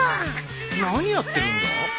何やってるんだ？